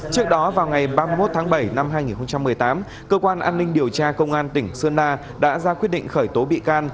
trước đó vào ngày ba mươi một tháng bảy năm hai nghìn một mươi tám cơ quan an ninh điều tra công an tỉnh sơn la đã ra quyết định khởi tố bị can